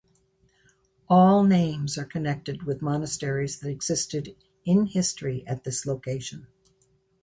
All names are connected with monasteries that existed in history at this location.